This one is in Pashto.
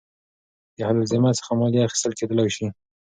د اهل الذمه څخه مالیه اخیستل کېدلاى سي.